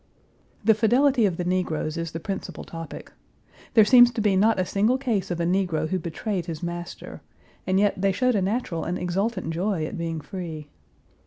The fidelity of the negroes is the principal topic. There seems to be not a single case of a negro who betrayed his master, and yet they showed a natural and exultant joy at being free.